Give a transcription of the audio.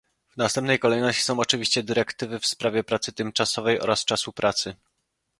W następnej kolejności są oczywiście dyrektywy w sprawie pracy tymczasowej oraz czasu pracy